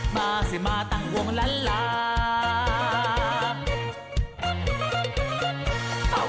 มาสิมาตังวงละลา